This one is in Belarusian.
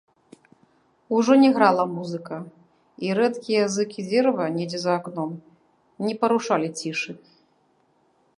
Ужо не грала музыка, і рэдкія зыкі дзерава недзе за акном не парушалі цішы.